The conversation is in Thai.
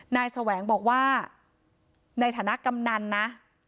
แสวงบอกว่าในฐานะกำนันนะ